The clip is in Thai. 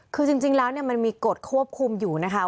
คือจริงแล้วมันมีกฎควบคุมอยู่นะคะ